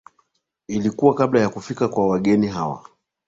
Ilikuwa kabla ya kufika kwa wageni hawa